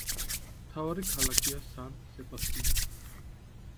მთავარი ქალაქია სან-სებასტიანი.